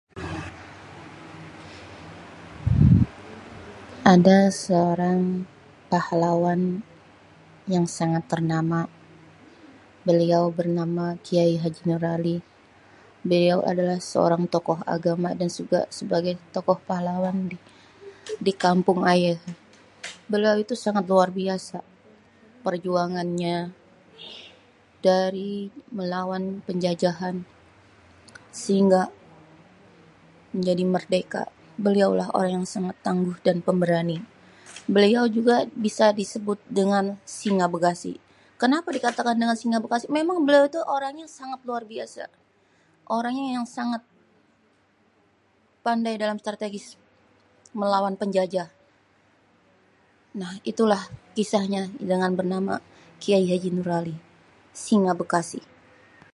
Ada seorang pahlawan yang sangat ternama. Beliau bernama Kiai Haji Nur Ali. Beliau adalah seorang tokoh agama dan juga sebagai tokoh pahlawan di kampung ayé. Beliau itu sangat luar biasa perjuangannya dari melawan penjajahan sehingga menjadi merdeka. Beliaulah orang yang sangat tangguh dan pemberani. Beliau juga bisa disebut dengan Singa Bekasi. Kenapa dikatakan dengan Singa Bekasi? Memang beliau itu orangnya sangat luar biasa. Orangnya yang sangat pandai dalam strategis melawan penjajah. Nah itulah kisahnya dengan bernana Kiai Haji Nur Ali, Singa Bekasi.